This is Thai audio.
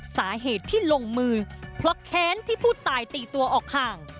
สาเหตุที่ลงมือเพราะแค้นที่ผู้ตายตีตัวออกห่าง